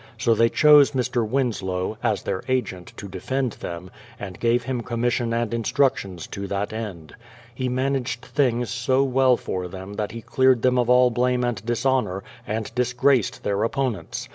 So they chose Mr. Winslow, as their agent, to defend them, and gave him commission and instructions to that end. He managed things so well for them that he cleared them of all blame and dishonour, and disgraced their opponents.